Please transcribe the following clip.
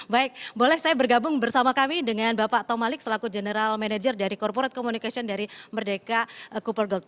baik boleh saya bergabung bersama kami dengan bapak tomalik selaku general manager dari corporate communication dari merdeka cooper gold